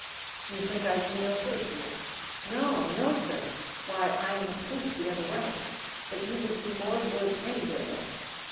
"You think I do no good here?" "No! no! sir. Why I am a proof the other way. But you would do more good anywhere else.